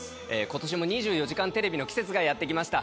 今年も『２４時間テレビ』の季節がやって来ました。